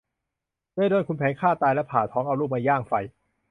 เลยโดนขุนแผนฆ่าตายแล้วผ่าท้องเอาลูกมาย่างไฟ